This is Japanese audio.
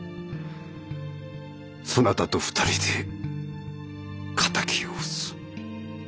そなたと２人で敵を討つ。